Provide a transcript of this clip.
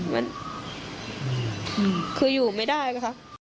มันคืออยู่ไม่ได้นะคะ